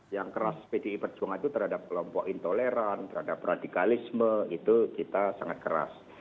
yang keras pdi perjuangan itu terhadap kelompok intoleran terhadap radikalisme itu kita sangat keras